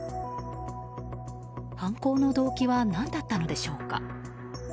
犯行の動機は何だったのでしょうか。